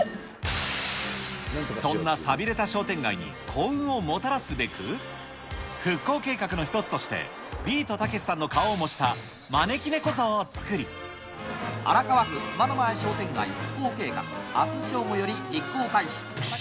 そんなさびれた商店街に幸運をもたらすべく、復興計画の一つとして、ビートたけしさんの顔を模した招き猫像を作り、荒川区熊野前商店街復興計画、あす正午より実行開始。